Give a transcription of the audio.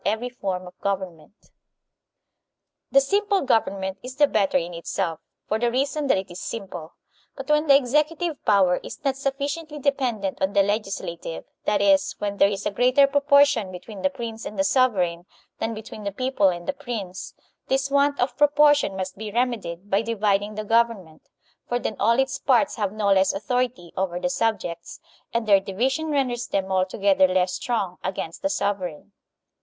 RELATIVITY OP FORMS OF GOVERNMENT 69 The simple government is the better in itself, for the reason that it is simple. But when the executive power is not sufficiently dependent on the legislative, that is, when there is a greater proportion between the Prince and the sovereign than between the people and the Prince, this want of proportion must be remedied by dividing the government; for then all its parts have no less au thority over the subjects, and their division renders them all together less strong against the sovereign.